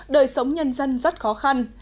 đời sống nhân dân rất khó khăn